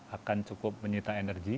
akan cukup menyita energi